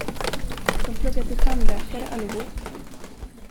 Dom pluggar till tandläkare, allihop.